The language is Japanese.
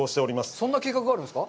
そんな計画があるんですか？